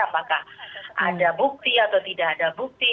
apakah ada bukti atau tidak ada bukti